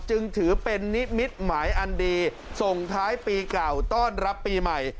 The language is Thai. จึงถือเป็นนิมิตหมายอันดีส่งท้ายปีเก่าต้อนรับปีใหม่